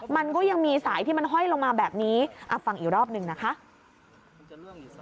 มันก็ยังมีสายที่มันห้อยลงมาแบบนี้ฟังอีกรอบหนึ่งนะคะ